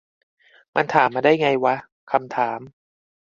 มันถามมาได้ไงวะ คำถาม